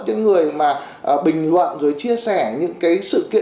những người mà bình luận rồi chia sẻ những cái sự kiện